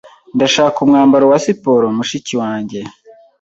Ndashaka umwambaro wa siporo mushiki wanjye.